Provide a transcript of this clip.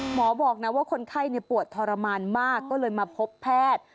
หมอบอกนะว่าคนไข้ปวดทรมานมากก็เลยมาพบแพทย์